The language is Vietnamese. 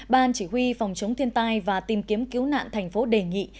ban chỉ huy phòng chống thiên tai và tìm kiếm cứu nạn thành phố đề nghị